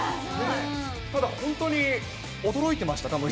ただ、本当に驚いてました？